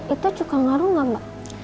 itu cukup ngaruh gak mbak